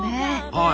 はい。